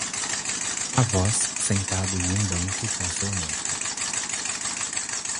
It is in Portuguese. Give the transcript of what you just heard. Avós sentado em um banco com seu neto.